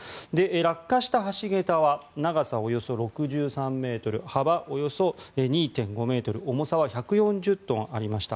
落下した橋桁は長さおよそ６３ｍ幅およそ２．５ｍ重さは１４０トンありました。